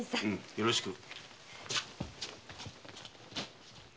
よろしく。